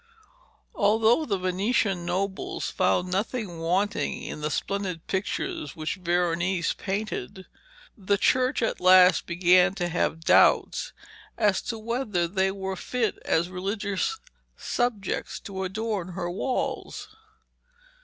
Although the Venetian nobles found nothing wanting in the splendid pictures which Veronese painted, the Church at last began to have doubts as to whether they were fit as religious subjects to adorn her walls.